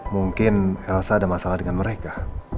mungkin elsa ada masalah dengan mereka